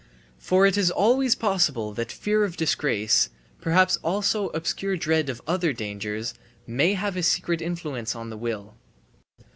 For it is always possible that fear of disgrace, perhaps also obscure dread of other dangers, may have a secret influence on the will.